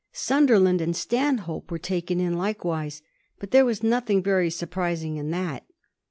Sunderland and Stanhope were taken in likewise — but there was nothmg very surprising in that.